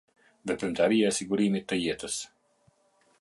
Veprimtaria e sigurimit të jetës.